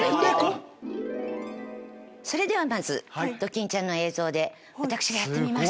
それではまずドキンちゃんの映像で私がやってみます。